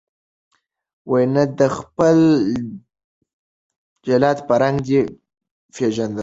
نه تا خپل جلاد په رنګ دی پیژندلی